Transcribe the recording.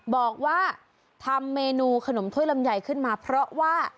บอกว่าทำเมนูขนมถ้วยลำไยขึ้นมาเพราะว่า